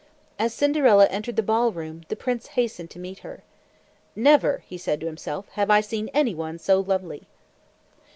As Cinderella entered the ball room, the prince hastened to meet her. "Never," said he to himself, "have I seen anyone so lovely!"